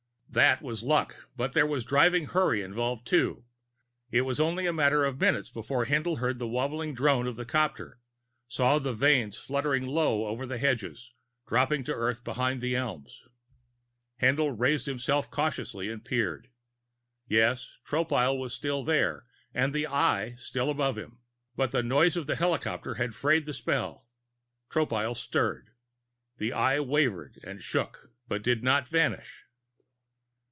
That was luck, but there was driving hurry involved, too; it was only a matter of minutes before Haendl heard the wobbling drone of the copter, saw the vanes fluttering low over the hedges, dropping to earth behind the elms. Haendl raised himself cautiously and peered. Yes, Tropile was still there, and the Eye still above him! But the noise of the helicopter had frayed the spell. Tropile stirred. The Eye wavered and shook But did not vanish.